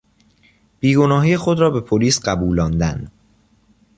بیگناهی خود را به پلیس قبولاندن